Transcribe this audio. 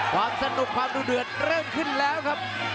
ความสนุกความดูเดือดเริ่มขึ้นแล้วครับ